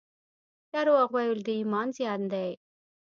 درواغ ویل د ایمان زیان دی